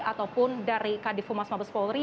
ataupun dari kd fumas mabes polri